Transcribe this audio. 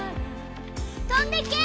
飛んでけ！！